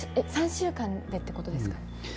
３週間でってことですか？